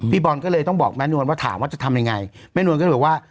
บอลก็เลยต้องบอกแม่นวลว่าถามว่าจะทำยังไงแม่นวลก็เลยบอกว่า